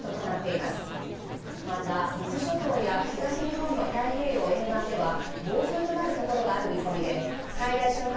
また伊豆諸島や東日本の太平洋沿岸では暴風となるところがある見込みで最大瞬間